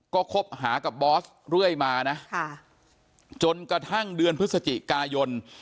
ก็คบหากับบอสเรื่อยมานะจนกระทั่งเดือนพฤศจิกายน